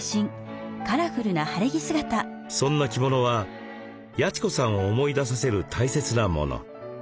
そんな着物は八千子さんを思い出させる大切なもの。